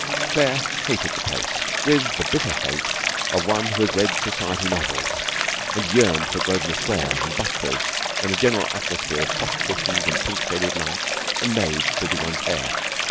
Claire hated the place with the bitter hate of one who had read society novels, and yearned for Grosvenor Square and butlers and a general atmosphere of soft cushions and pink shaded lights and maids to do one's hair.